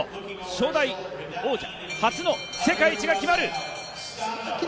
初代王者、初の世界一が決まる。